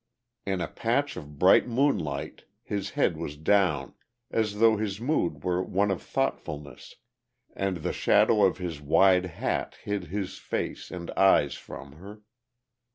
In a patch of bright moonlight his head was down as though his mood were one of thoughtfulness, and the shadow of his wide hat hid his face and eyes from her.